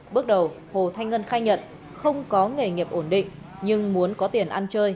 bước đầu hồ thanh ngân khai nhận không có nghề nghiệp ổn định nhưng muốn có tiền ăn chơi